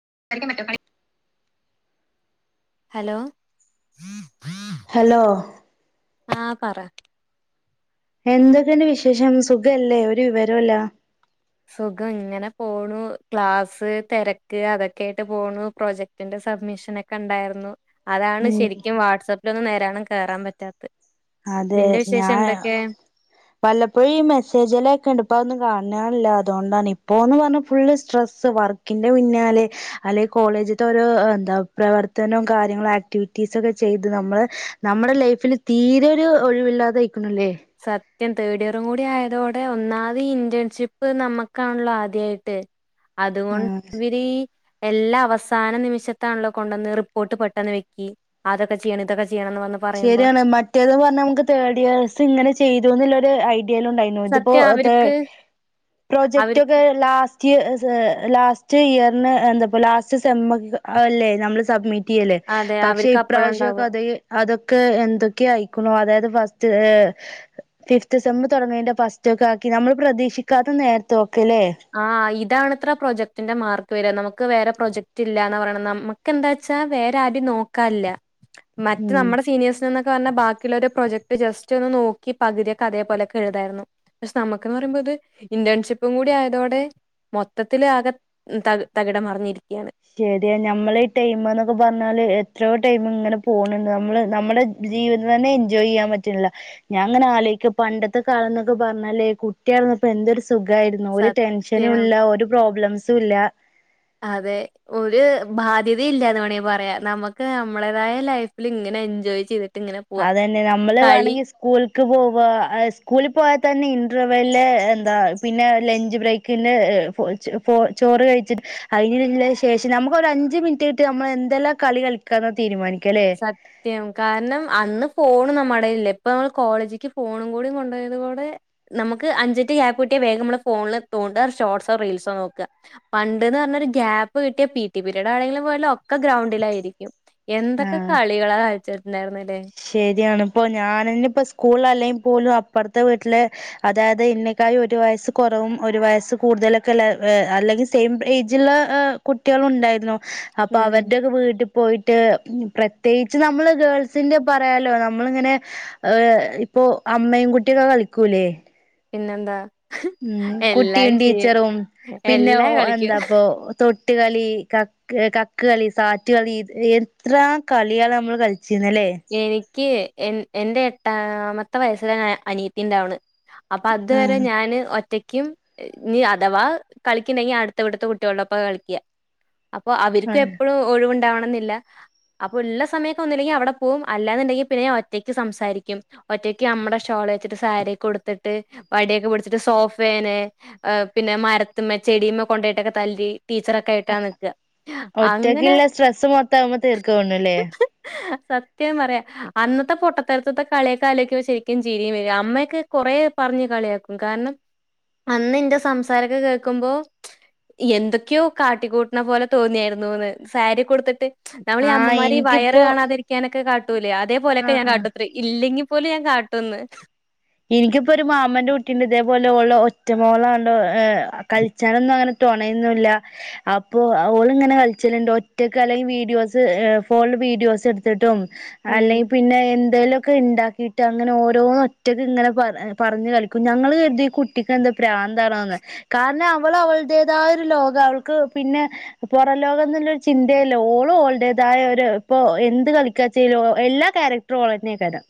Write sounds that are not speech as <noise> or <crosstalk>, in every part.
<unintelligible> Hello hello ആഹ് പറ എന്തൊക്കെഇണ്ട് വിശേഷം സുഖല്ലേ ഒരു വിവരൂല്ല സുഖം ഇങ്ങനെ പോണു ക്ലാസ് തിരക്ക് അതൊക്കെ ആയിട്ട് പോണു പ്രോജക്ടിന്റെ സബ്മിഷൻക്കെ ഉണ്ടായിരുന്നു അതാണ് ഉം ശരിക്കും വാട്സആപ്പിൽ <unintelligible> <unintelligible> കേറാൻ പറ്റാ അതെ ഞാൻ വല്ലപ്പോഴി മെസ്സേജില ഒക്കെ ഇണ്ട്പ്പ ഒന്ന് കാണ <unintelligible> അതോണ്ടാണ് ഇപ്പൊന്ന് പറഞ്ഞ ഫുൾ സ്‌ട്രെസ് വർക്കിന്റെ പിന്നാലെ അല്ലെ കോളേജിൽത്തെ ഓരോ പ്രേവർത്താനോം കാര്യങ്ങളും ആക്ടിവിറ്റീസും ഒക്കെ ചെയ്ത് നമ്മള് നമ്മടെ ലൈഫില് തീ <unintelligible> ഒരു ഒഴിവില്ലാതെ ആയിക്കണൂലെ സത്യം തേർഡ് ഇയറും കൂടി ആയതോടെ ഒന്നാമത് ഇന്റേൺഷിപ്പ് നമ്മുക്കാണല്ലോ ആദ്യായിട്ട് അതുകൊ <unintelligible> എല്ലാം അവസാന നിമിഷത്താണല്ലോ കൊണ്ടുവന്ന് റിപ്പോർട്ട് പെട്ടെന്ന് വെക്കി അതൊക്കെ ചെയ്യണം ഇതൊക്കെ ചെയ്യണംന്ന് വന്ന് പറയുമ്പോ ശരിയാണ് മറ്റേത്ന്ന് പറഞ്ഞാ നമുക്ക് തേർഡ് യേർസ് ഇങ്ങനെ ചെയ്തുന്നൊള്ളരു ഐ <unintelligible> ഇതിപ്പോ സത്യം അവർക്ക് അവർ പ്രോജക്റ്റ് ഒക്കെ ലാസ്റ്റ് ലാസ്റ്റ് ഇയറിന് എന്താ ലാസ്റ്റ് സേം അല്ലേ നമ്മള് സബ്മിറ്റ് കിട്ടിയല്ലെ അതെ പക്ഷെ അവർക്ക് അപ്പഴ ഉണ്ടാവുക ഇപ്രാവശ്യൊക്കെ അതെ അതൊക്കെ എന്തൊക്കെ അയക്കണോ അതായത് ഫസ്റ്റ് ഫിഫ്ത്ത് സേം തുടങ്ങിയെന്റെ ഫസ്റ്റൊക്കെ ആക്കി നമ്മൾ പ്രതീക്ഷിക്കാത്ത നേരത്തൊ <unintelligible> ഇതാണ് ഇത്ര പ്രൊജക്ടിന്റെ മാർക്ക് വര നമുക്ക് വേറെ പ്രൊജക്ട് ഇല്ലന്ന് പറയ നമുക്ക് എന്താച്ചാ വേറെ ആര്ട്യും നോക്കാല്ല്യാ മറ്റ ഉം നമ്മുടെ സീനിയേഴ്സിന്ന്ന പറഞ്ഞ ബാക്കിയുള്ള ഒരു പ്രൊജക്ട് ജസ് ഒന്ന് നോക്കി പകുയൊക്കെതേപോലൊക്കെ എഴുതായിരുന്നു പക്ഷെ നമുക്കന്ന് പറയ്മ്പോ ഇത് ഇന്റേൺഷിപ്പും കൂടി ആയി <unintelligible> മൊത്തത്തിലാകെ തകിടം മറിഞ്ഞരിക്ക ശരിയ ഞമ്മള് ഈ ടൈമ്ന്നൊക്കെ പറഞ്ഞാല് <unintelligible> ടൈമ് ഇങ്ങനെ പോണ് നമ്മള് നമ്മുടെ ജീവിതം തന്നെ എൻജോയ് ചെയ്യാൻ പറ്റണില്ല ഞാൻ ഇങ്ങനെ ആലോചിക്ക പണ്ടത്തെ കാലം എന്നൊക്കെ പറഞ്ഞാലേ കുട്ടിയാര്ന്നപ്പോ <unintelligible> സുഖയിരുന്നു ഒരു ടെൻഷനും സത്യം ഇല്ല ഒരു പ്രോബ്ലം <unintelligible> അതെ ഒരു ബാധ്യതയില്ലന്ന് വേണമെങ്കിൽ പറയാ നമുക്ക് നമ്മടേതായ ലൈഫിൽ ഇങ്ങനെ എൻജോയ് ചെയ്തിട് അതന്നെ നമ്മള് വേണെങ്കിൽ സ്കൂളക്ക് പോവാ സ്കൂളിൽ പോവാ തന്നെ ഇന്റർവെൽ എന്താ പിന്നെ ലഞ്ച് ബ്രേക്കില് ചോറ് കഴിച്ചിട്ട് അതി ശേഷം നമുക്കൊ ഒരു അഞ്ച് മിനിറ്റ് കിട്ട് നമ്മൾ എന്തെല്ലാം കളി കളിക്കാന്ന് തീരുമാനിക്കും സത്യം കാരണം അന്ന് ഫോണും നമ്മടെ കയ്യിൽ ഇല്ല ഇപ്പൊ നമ്മള് കോളേജ്ക്ക് ഫോണും കൂടി കൊണ്ട് പോയത് കൂടെ നമുക്ക് അഞ്ച് മിനിറ്റ് ഗ്യാപ്പ് കിട്ടിയ വേഗം നമ്മള് ഫോണിൽ തോണ്ടുക ഷോർട്സോ റീൽസോ നോക്കുക പണ്ടെന്ന് പറഞ്ഞാൽ ഒരു ഗ്യാപ്പ് കിട്ടിയാ പി ടി പീരീഡ് ആണെങ്കിലും വേണ്ടില്ല ഒക്കെ ഗ്രൗണ്ടിലായിരിക്കും എന്തൊക്കെ ആഹ് <unintelligible> ശരിയാണ് ഇപ്പൊ ഞാനന്നെ ഇപ്പോ സ്കൂളിൽ അല്ലെ പോലും അപ്പുറത്തെ വീട്ടിലെ അതായത് എന്നെക്കായി ഒരു വയസ്സ് കുറവും ഒരു വയസ്സ് കൂടുതലൊക്കെയുള്ള അല്ലെങ്കിൽ സെയിം ഏജുള്ള കുട്ടികള് ഉണ്ടായിരുന്നു അപ്പൊ ഉം അവരുടെയൊക്കെ വീട്ടിൽ പോയിട്ട് പ്രത്യേകിച്ച് നമ്മള് ഗേൾസി ന്റെ പറയായാലോ നമ്മളിങ്ങനെ ഇപ്പൊ അമ്മയും കുട്ടിയൊക്കെ കളിക്കൂലേ പിന്നെന്താ ഉം എല്ലാം കുട്ടിയും ചെയ്യും ടീച്ചറും പിന്നെ എല്ലാം കളിക്കും എന്താപ്പോ തൊ ട്ട് കളി കക്ക് കക്ക് കളി സാറ്റ് കളി എത്ര കളിയാണ് നമ്മള് കളി എനിക്ക് എ എന്റെ എട്ടാമത്തെ വയസ്സിലാ അനിയത്തി ഉണ്ടാവണേ അപ്പൊ അതുവരെ ആഹ് ഞാന് ഒറ്റ ക്കും ഇനി അഥവാ കളിക്കന്നുണ്ടെങ്കി അടുത്ത വീട്ടിൽത്തെ കുട്ടികളുടൊപ്പമാ കളിക്കുക അപ്പൊ അവർക്കും ആഹ് എപ്പോഴും ഒഴിവുണ്ടാവണ മെന്നില്ല അപ്പോ ഉള്ള സമയൊക്കെ ഒന്നൂല്ലങ്കിൽ അവിടെ പോവും അല്ലാന്നുണ്ടെങ്കിൽ പിന്നെ ഒറ്റക്ക് സംസാരിക്കും ഒറ്റക്ക് നമ്മടെ ഷോള് വെച്ചിട്ട് സാരിയൊക്കെ ഉടുത്തിട്ട് വടിയൊക്കെ പിടിച്ചിട്ട് സോഫേനെ പിന്നെ മരത്തിന്മേ ചെടിയന്മേ കൊണ്ടെയിട്ടൊക്കെ തല്ലി ടീച്ചറൊക്കെ ആയിട്ടാ നിക്കാ. അങ്ങനെ ഒറ്റക്കുള്ള സ്ട്രെസ്സ് മൊത്തം അതിന്മേൽ തീർക്കും എന്ന് തോന്നണില്ലേ <unintelligible> സത്യം പറയാം അന്നത്തെ പൊട്ടത്തരത്തത്തെ കളിയൊക്കൊ ആലോചിക്കുമ്പോ ശരിക്കും ചിരി വരും അമ്മയൊക്കെ കൊറെ പറഞ്ഞ് കളിയാക്കും കാരണം അന്ന് എന്റെ സംസാരമൊക്കെ കേൾക്കുമ്പോ എന്തൊക്കെയോ കാട്ടിക്കൂട്ടണ പോലെ തോന്നിയായിരുന്നു എന്ന് സാരിയൊക്കെ ഉടുത്തിട്ട് നമ്മളീ ആഹ് അമ്മമാർ വയറ് ഈ എനിക്കിപ്പോ കാണാതിരിക്കാനൊക്കെ <unintelligible> കാട്ടൂലേ അതേപോലൊക്കെ ആഹ് ഞാൻ ആഹ് കാട്ടുത്രെ ഇ ഇല്ലെങ്കി പോലെ ഞാൻ കാട്ടൊന്ന് എനിക്കിപ്പോരു മാമന്റെ കുട്ടീണ്ട് ഇതേപോലെ ഓള് ഒറ്റ മോളെയോണ്ട് കളിച്ചാനൊന്നും അങ്ങനെ തോണയൊന്നുംല്ല അപ്പൊ ഓള് ഇങ്ങനെ കളിച്ചലുണ്ട് ഒറ്റക്ക് അല്ലെങ്കിൽ വീഡിയോസ് ഫോണില് വീഡിയോസ് എടുത്തിട്ടും ഉം. അല്ലെങ്കിൽ പിന്നെ എ എന്തെലെക്കെ ഉണ്ടാക്കിയിട്ട് അങ്ങനെ ഓരോ ഒറ്റക്ക് ഇങ്ങനെ പറ പറഞ്ഞ് കളിക്കും ഞങ്ങൾ കരുത ഈ കുട്ടക്ക് എന്താ പ്രാന്താണോ കാരണം അവൾ അവളടേതായ ഒരു ലോകം അവൾക്ക് പിന്നെ പുറം ലോകം എന്നുള്ളരു ചിന്തയേ ഇല്ല ഓളും അവളുടേതായ ഒരു ഇപ്പൊ എന്ത് കളിക്കാച്ച എല്ലാ ക്യാരക്ടറും ഓളന്നെയക്കരം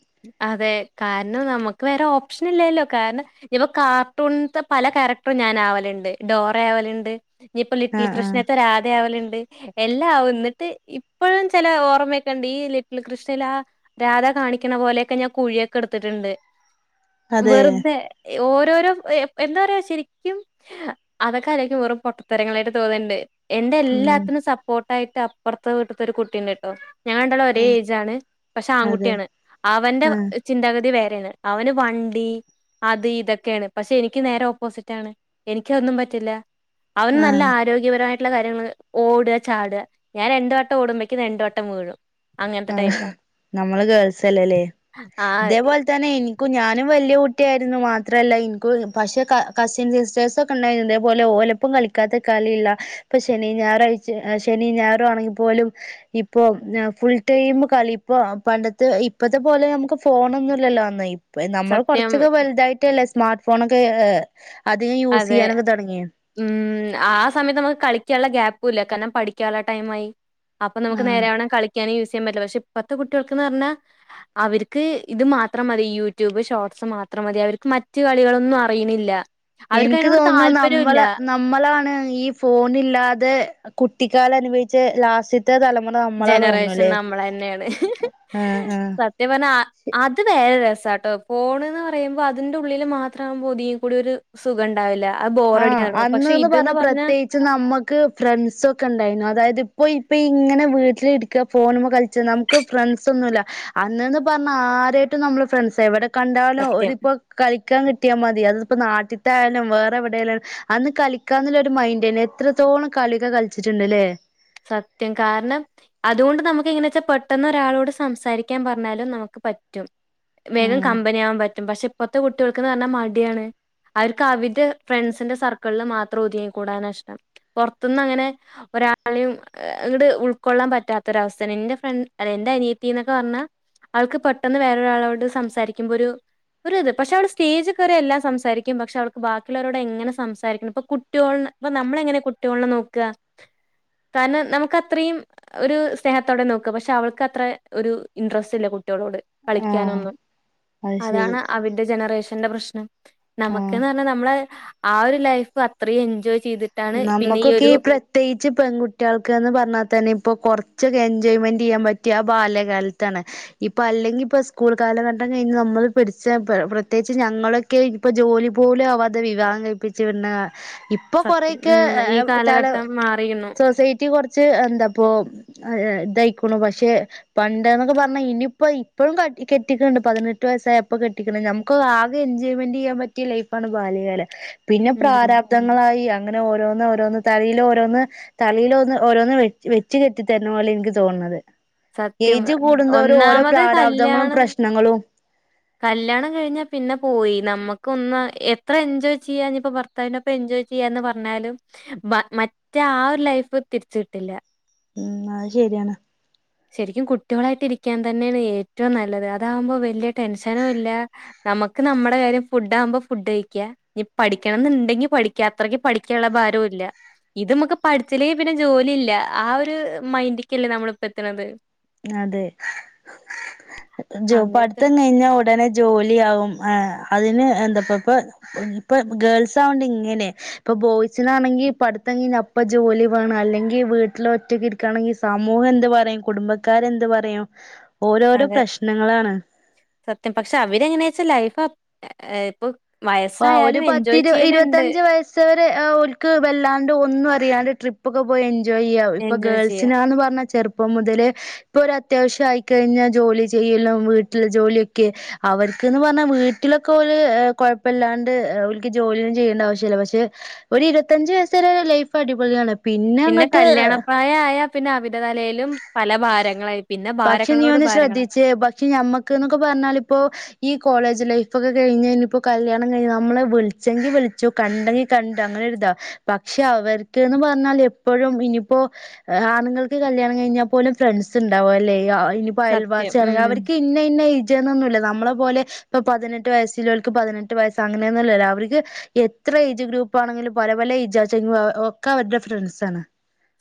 അതെ കാരണം നമുക്ക് വേറെ ഓപ്ഷൻ ഇല്ലല്ലോ കാരണം ഇപ്പ കാർട്ടൂണത്തെ പല കക്യാരക്ടറും ഞാൻ ആവലുണ്ട് ഡോറ ആവലുണ്ട് ഇനിയി ഇപ്പ ലിറ്റിൽ ആഹ് ആഹ് കൃഷ്ണനയൊക്കെ രാധയാവലുണ്ട് എല്ലാ ആവും എന്നിട്ട് ഇപ്പഴും ചില ഓർമ്മയക്കെുണ്ട് ഈ ലിറ്റിൽ കൃഷ്ണൽ ആ രാധ കാണിക്ക ക്കണ പോലെയൊക്ക ഞാൻ കുഴിയൊക്കെ എടുത്തിട്ടുണ്ട് അതെ വെറുതെ ഓരോരോ എന്താ പറയാ ശരിക്കും അതൊക്കെ അലക്കും വെറും പൊട്ടത്തരങ്ങളായിട്ട് തോന്നണ്ട് എന്റെറെ ഉം എല്ലാത്തിനും സപ്പോർട്ട് ട്ടായിട്ട് അപ്പറത്തെ വീട്ടത്തെ ഒരു കുട്ടീണ്ട്ട്ടോ ഞങ്ങൾ രണ്ടാളും ഒരേ ആഹ് ഏജാണ് പക്ഷെ അതെ ആൺകുട്ടിയാണ് അവന്റെ ആഹ് ചിന്താഗ വേറേണ് അവന് വണ്ടി അത് ഇതൊക്കെയാണ് പക്ഷെ എനിക്ക് നേരെ ഓപ്പോസിറ്റ് ആണ് എനിക്കതന്നും പറ്റില്ല അവൻ നല്ല ആഹ് ആരോഗ്യപരമായി <unintelligible> കാര്യങ്ങൾ ഓടുക ചാടുക ഞാൻ രണ്ട് വട്ടം ഓടുമ്പോക്കും രണ്ടുവട്ടം വീഴും ആ അങ്ങനത്തെ ടൈപ്പാ. നമ്മള് ഗേൾസ് <unintelligible> ആ ഇതേ പോലെ തന്നെ എനി ക്കും ഞാനും വലിയ കുട്ടിയായിരുന്നു മാത്രല്ല എനിക്ക് പക്ഷെ കസിൻ സിസ്റ്റേഴ്സ് ഒക്കെ ഉണ്ടായിരുന്നു ഇതേപോലെ ഓലപ്പം കളിക്കാത്ത കളിയില്ല ഇപ്പൊ ശനി ഞായറും അഴ ശനി ഞായറു ആണെങ്കിൽ പോലും ഇപ്പൊ ഫുൾ <unintelligible> കളി ഇപ്പ പണ്ടത്തെ ഇപ്പത്തെ പോലെ നമുക്ക് ഫോണൊന്നും ഇല്ലല്ലോ അന്ന് നമ്മൾ സത്യം കുറച്ചൊക്കെ വലുതായിട്ടല്ലേ സ്മാർട്ട് ഫോൺ ഒക്കെ ഏ അതെ ഉം ആ സമയത്ത് നമുക്ക് കളിക്കാനുള്ള ഗ്യാപ്പ് <unintelligible> കാരണം പഠിക്കുള്ള ടൈമായി അപ്പൊ നമുക്ക് ആഹ് നേരാ വണ്ണം കളിക്കാനും യൂസ് <unintelligible> പക്ഷെ ഇപ്പഴത്തെ കുട്ടികൾക്ക്ന്ന് പറഞ്ഞാ അവർക്ക് ഇത് മാത്രം മതി യൂട്യൂബ് ഷോർട്സ് മാത്രം മതി അവർക്ക് മറ്റു കര്യങ്ങളൊന്നും അറിയണില്ല അവർക്ക് എനിക്ക് അതിനോട് തോന്നുന്നു താല്പര്യമില്ല. നമ്മളെ നമ്മളാണ് ഈ ഫോണില്ലാതെ കുട്ടിക്കാലം അനുഭവച്ച് ലാസ്റ്റ ജനറേഷൻ നമ്മള് തന്നെയാണ് ആഹ് ആഹ് സത്യം പറഞ്ഞെ അത് വേറെ രസ ട്ട് പോണ് എന്ന് പറയുമ്പോ അതിന്റെ ഉള്ളില് മാത്രം ആവുമ്പോ ഒതുങ്ങി കൂടി ഒരു സുഖം ഉണ്ടാവില്ല അത് ആഹ് ബോറടിക്കാൻ തുടങ്ങും. പക്ഷെ അന്ന്ന്ന് പറഞ്ഞ ഇത്ന്ന് പറഞ്ഞാ പ്രത്യേകിച്ച് നമ്മുക്ക് ഫ്രണ്ട്സൊക്കെ ഉണ്ടായിരുന്നു അതായത് ഇപ്പ ഇപ്പ ഇങ്ങനെ വീട്ടില് ഇരിക്കുക ഫോണുമ്മെ കളിച്ചു നമുക്ക് ഫ്രണ്ട്സ് ഒന്നുമല്ല അന്ന്ന്ന് പറഞ്ഞ ആരായിട്ടും നമ്മള് ഫ്രണ്ട്സാ എവിടെ കണ്ടാലോ സത്യം. ഒരിപ്പോ കളി ക്കാൻ കിട്ടിയാൽ മതി അതിപ്പോ നാട്ടിത്തെയായാലും വേ റെവിടേലും അന്ന് കളിക്കാന്നുള്ളോരു മൈൻഡ് തന്നെ എത്രത്തോളം കളിയൊക്കെ കളിച്ചിട്ടുണ്ട് അല്ലേ. സത്യം കാരണം അതുകൊണ്ട് നമുക്ക് എങ്ങനെ വെച്ചാൽ പെട്ടെന്ന് ഒരാളോട് സംസാരിക്കാൻ പറഞ്ഞാലും നമുക്ക് പറ്റും. വേഗം ആഹ് കമ്പനി ആകാൻ പറ്റും പക്ഷെ ഇപ്പത്തെ കു ട്ടികൾക്കെന്ന്‌ പറഞ്ഞാ മടിയാണ് അവർക്ക് അവരുടെ ഫ്രണ്ട്സിന്റെ സർക്കിളിൽ മാത്രം ഒതുങ്ങി കൂടാനാ ഇഷ്ടം പുറത്തു നിന്ന് അങ്ങനെ ഒരാ ളെയും അങ്ങട്ട് ഉൾക്കൊള്ളാൻ പറ്റാത്തൊരവസ്ഥയാണ് എന്റെ ഫ്രണ്ട് അല്ല എന്റെ അനിയത്തി എന്നൊക്കെ പറഞ്ഞാ അവൾക്ക് പെട്ടെന്ന് വേറൊരാളോട് സംസാരിക്കുമ്പോ ഒരു ഒരിത് പക്ഷെ അവള് സ്റ്റേജിൽ കയറിയാൽ എല്ലാം സംസാരിക്കും പക്ഷെ അവൾക്ക് ബാക്കിയുള്ളവരോട് എങ്ങനെ സംസാരിക്കണം ഇപ്പൊ കുട്ടിയോളെ ഇപ്പ നമ്മള് എങ്ങനെയാ കുട്ടിയോളിനെ നോക്കുക. കാരണം നമുക്ക് അത്രയും ഒരു സ്നേഹത്തോടെ നോക്കാ പക്ഷെ അവൾക്ക് അത്ര ഒരു ഇൻട്രസ്റ്റ് ഇല്ല കുട്ടി കുട്ടികളോട് ആഹ് കളിക്കാനൊന്നും അത് ശരി അതാണ് അവരുടെ ജനറേഷന്റെ പ്രശ്നം. <unintelligible> ആഹ് നമുക്കെന്ന് പറഞ്ഞാ നമ്മളെ ആ ഒരു ലൈഫ് അത്രയും എൻജോയ് ചെയ്തിട്ടാണ് പിന്നെ നമ്മുക്കൊക്കെ ഒരു ഈ പ്രത്യേകിച്ച് പെൺകുട്ടി കുട്ടിയേൾക്ക്ന്ന് പറഞ്ഞാൽ തന്നെ ഇപ്പോൾ കുറച്ചൊക്കെ എൻജോയ്മെന്റ് ചെയ്യാൻ പറ്റിയ ആ ബാല്യകാലത്താണ്. ഇപ്പോ അല്ലെങ്കി ഇപ്പോ സ്കൂൾ കാലഘട്ടം കഴിഞ്ഞ് നമ്മൾ പിടിച്ച പ്രത്യേകിച്ച് ഞങ്ങളൊക്കെ ഇപ്പ ജോലി പോലും ആവാതെ വിവാഹം കഴിപ്പിച്ച് വിടുണ ഇപ്പൊ കൊറേ സത്യം ക്കെ ഉം ഈ തല കാലഘട്ടം മാറിയുന്നു സൊസൈറ്റി കുറച്ച് എന്താ പ്പോ പ്പം ഇതായിക്കുണു. പക്ഷെ പണ്ട് ന്നൊക്കെ പർഞ്ഞാ ഇനിപ്പോ ഇപ്പഴും ക കെട്ടിക്കണുണ്ട്. പതിനെട്ട് വയസായ അപ്പോ കെട്ടിക്ക്ണ്. നമുക്ക് ആകെ എൻജോയ്മെന്റ് ചെയ്യാൻ പറ്റിയ ലൈഫാണ് ബാല്യകാലം. പിന്നെ ഉം പ്രാരാബ്ദങ്ങളായി അ ങ്ങനെ ഓരോന്ന് ഓരോന്ന് തലയിലോരോന്ന് തലയിലോന്ന് ഓരോന്ന് വെച്ച് വെച്ച് കെട്ടിത്തരണ പോലെ എനിക്ക് തോന്നണത്. സത്യം. ഒന്നാമത് പ്രാരാബ്ദങ്ങളും കല്യാണം, പ്രശ്നങ്ങളും കല്യാണം കഴിഞ്ഞാ പിന്നെ പോയി. നമുക്ക് ഒന്ന് എത്ര എൻജോയ് ചെയ്യാ ഞ് പ്പോ ഭർത്താവിനൊപ്പം എൻജോയ് ചെയ്യാന്ന് പർഞ്ഞാലും ബ മറ്റേ ആ ഒരു ലൈഫ് തിരിച്ച് കിട്ടില്ല. ഉം അത് ശെരിയാണ്. ശരിക്കും കുട്ടികളായിട്ട് ഇരിക്കാൻ തന്നെയാണ് ഏറ്റവും നല്ലത് അതാകുമ്പോ വലിയ ടെൻഷനും ഇല്ല നമുക്ക് നമ്മുടെ കാര്യം ഫുഡ് ആകുമ്പോ ഫുഡ് കഴിക്ക്യാ... ഇഞ് പഠിക്കണംന്നുണ്ടെങ്കി പഠിക്കാ. അത്രക്ക് പഠിക്കാനുള്ള ഭാരവു ഇല്ല. ഇത് നമുക്ക് പഠിച്ചില്ലെങ്കിൽ പിന്നെ ജോലി ഇല്ല ആ ഒരു മൈൻഡ്ക്കല്ലേ നമ്മള് എത്തണത് അതെ ജോ അങ്ങനത്തെ പഠിത്തം കഴിഞ്ഞാ ഉടനെ ജോലിയാവും ആഹ്‌ അതിന് എന്താപ്പ ഇപ്പൊ ഇപ്പൊ ഗേൾസ് ആവണ്ട് ഇങ്ങനെ ഇപ്പൊ ബോയ്സിനാണെങ്കിൽ പഠിത്തം കഴിഞ്ഞ അപ്പ ജോലി വേണം അല്ലെങ്കിൽ വീട്ടിൽ ഒറ്റക്ക് ഇരിക്കയാണെങ്കിൽ സമൂഹം എന്ത്‌ പറയും കുടുംബ ആൾക്കാര് എന്ത് പറയും. അതെ പ്രശ്നങ്ങളാണ് സത്യം പക്ഷെ അവര് എങ്ങനെയാ വെച്ചാ ലൈഫ് ഇപ്പൊ ആ ഒരു വയസ്സായാലും എൻജോയ് പത്തിരു ചെയ്യലുണ്ട്. ഇരുപത്തഞ്ച് വയസ്സ് ഓല്ക്ക് വല്ലാണ്ട് ഒന്നും അറിയാണ്ട് ട്രിപ്പ് ഒക്കെ പോയി എൻ എൻജോയ് ചെയ്യാം ഇപ്പൊ എൻജോയ് ചെയ്യാ. ഗേൾസിനാന്ന് പറഞ്ഞാൽ ചെറു ഇപ്പൊ മുതലേ ഇപ്പൊ ഒരു അത്യാവശ്യം ആയിക്കഴിഞ്ഞാൽ ജോലി ചെയ്യലും വീട്ടില് ജോലിയൊക്കെ അവർക്ക്ന്ന് പറഞ്ഞാൽ വീട്ടിലൊക്കെ ഓല് കൊഴ ഇപ്പ അല്ലാണ്ട് ഓല്ക്ക് ജോലിയും ചെയ്യേണ്ട ആവശ്യമില്ല പക്ഷെ ഒരു ഇരുപത്തഞ്ച് വയസ്സ് വരെ ലൈഫ് അടിപൊളിയാണ് പിന്നെ കല്യാണപ്രായ ആയാ പിന്നെ അവരിടതലയിലും പല ഭാരങ്ങളായി പിന്നെ പക്ഷെ നീ ഭാരങ്ങളോട് ഒന്ന് ഭാരങ്ങളാ. ശ്രദ്ധിച്ചേ പക്ഷെ ഞമ്മക്ക് എന്നൊക്കെ പറഞ്ഞാലിപ്പോ ഈ കോളേജ് ലൈഫൊക്കെ കഴിഞ്ഞ ഇനിപ്പോൾ കല്യാണം കഴിഞ്ഞ നമ്മളെ വിളിച്ചെങ്കി വിളിച്ചു കണ്ടെങ്കി കണ്ടു അങ്ങനെൊരി ഇതാവും പക്ഷെ അവർക്ക്ന്ന് പറഞ്ഞാൽ എപ്പോഴും ഇനിപ്പോ ആണുങ്ങൾക്ക് കല്യാണം കഴിഞ്ഞാൽ പോലും ഫ്രണ്ട്സ് ഇണ്ട് ണ്ടാവുല്ലേ ഇനിപ്പോ സത്യം. അയൽവാസിയാണെങ്കി ഉം. അവര്ക്ക് ഇന്നെ ഇന്ന റ്റെന്നുന്നില്ല നമ്മളെ പോലെ ഇപ്പൊ പതിനെട്ട് വയസ്സില്ലോർക്ക് പതിനെട്ട് വയ് അങ്ങനെന്നുല്ല അവര്ക്ക് എത്ര ഏജ് ഗ്രൂപ്പാണെങ്കിലും പല പല ഏജ് ആച്ചെങ്ക ഒക്കെ അവരുടെ ഫ്രണ്ട്സ് ആണ്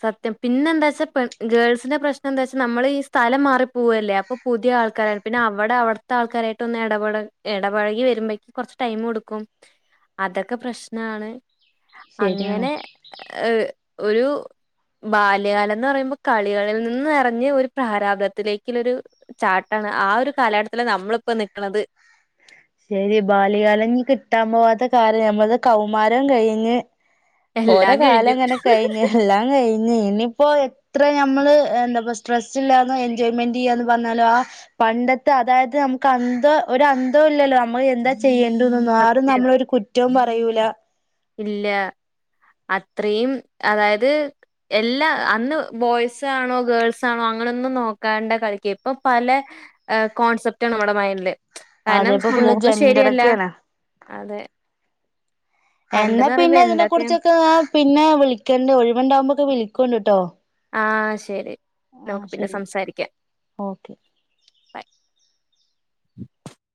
സത്യം പിന്നെ എന്താ വെച്ചാ ഗേൾസിന്റെ പ്രശ്നം എന്താ വെച്ചാ നമ്മൾ ഈ സ്ഥലം മാറി പോവല്ലേ അപ്പൊ പുതിയ ആൾക്കാരാണ് പിന്നെ അവിടെ അവിടുത്തെ ആൾക്കാരായിട്ട് ഒന്ന് ഇടപ ഇടപഴകി വരുമ്പോക്കക്ക് കുറച്ച് ടൈം എടുക്കും അതൊക്കെ പ്രശ്നമാണ് ശരിയാണ് അങ്ങനെ ഒരു ബാല്യകാലം എന്ന് പറയുമ്പോ കളികളിൽ നിന്ന് ഇറങ്ങി ഒരു പ്രാരാബ്ദത്തിലേക്കുള്ളൊരു ചാട്ടാണ് ആ ഒരു കാലഘട്ടത്തിലാ നമ്മളിപ്പോ നിക്കണത് ശെരി ബാല്യകാലം കിട്ടാൻ പോവാത്ത കാര്യം ഞമ്മക്ക് കൗമാരം കഴിഞ്ഞ് ഓരോ എല്ലാം കാലം കഴിഞ്ഞു. എങ്ങനെ കഴിഞ്ഞ് എല്ലാം കഴി ഇ ഇനിയിപ്പോ എത്ര ഞമ്മള് എന്താ സ്ട്രെസ്സ് ഇല്ലാന്നോ എൻജോയ്മെന്റ് ചെയ്യാന്ന് പറഞ്ഞാലോ ആ പണ്ടത്തെ അതായത് നമുക്ക് അന്ത ഒരു അന്തവും ഇല്ലല്ലോ നമ്മള് എന്താ ചെയ്യേ ണ്ടതെന്നൊന്നും ആരും സത്യം. നമ്മളെ ഒരു കുറ്റവും പറ കഴിയൂല ഇല്ല അത്രയും അതായത് എല്ലാ അന്ന് ബോയ്സാണോ ഗേൾസാണോ അങ്ങനൊന്നും നോക്കാണ്ട കളിക്ക ഇപ്പൊ പല കോൺസെപ്റ്റാണ് നമ്മടെ മൈൻില് കാരണം അതേപ്പോ ഫുള്ള് സമൂഹം ശരിയല്ല ജെൻഡറൊക്കെയാണ് അതെ എന്നാ പണ്ട്ന്ന് പറയുമ്പോ പിന്നെ ഇതിനെ എന്തൊക്കെ കുുറിച്ചൊക്കെ പിന്നെ വിളിക്കണ്ട് ഒഴിവുണ്ടാവുമ്പോൊക്കെ വിളിക്കണ്ട് കേട്ടോ ആഹ് ശരി. ആഹ നമുക്ക് പിന്നെ ശരി സംസാരിക്കാം. Okay by.